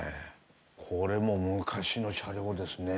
これも昔の車両ですね。